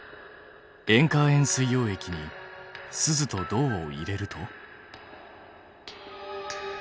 ２塩化亜鉛水溶液にスズと銅を入れると？